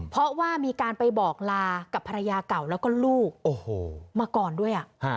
เพราะว่ามีการไปบอกลากับภรรยาเก่าแล้วก็ลูกมาก่อนด้วย